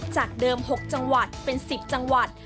จากเดิม๖จังหวัดเป็น๑๐จังหวัด